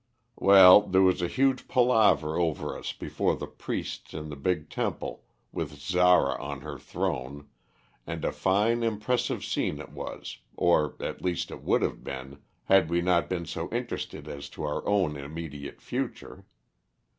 "Well, there was a huge palaver over us before the priests in the big temple, with Zara on her throne, and a fine, impressive scene it was, or, at least, it would have been had we not been so interested as to our own immediate future.